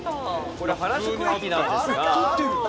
これ原宿駅なんですが。